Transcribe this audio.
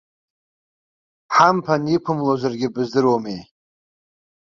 Ҳамԥан иқәымлозаргьы быздыруамеи.